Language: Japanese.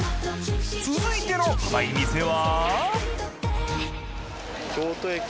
続いてのうまい店は？